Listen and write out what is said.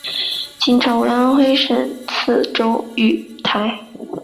清朝为安徽省泗州盱眙。